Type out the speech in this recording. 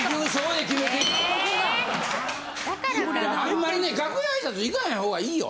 あんまりね楽屋挨拶行かへん方がいいよ。